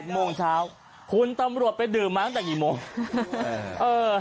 ๘โมงเช้าคุณตำรวจไปดื่มมาตั้งในจากเมื่อไหน